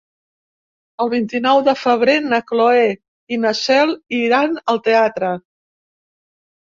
El vint-i-nou de febrer na Cloè i na Cel iran al teatre.